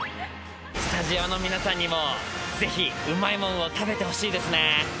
スタジオの皆さんにも、ぜひうまいもんを食べてほしいですね。